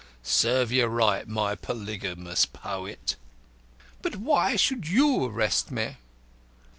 Serve you right, my polygamous poet." "But why should you arrest me?"